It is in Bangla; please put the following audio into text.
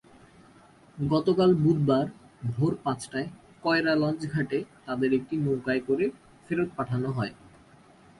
গতকাল বুধবার ভোর পাঁচটায় কয়রা লঞ্চঘাটে তাদের একটি নৌকায় করে ফেরত পাঠানো হয়।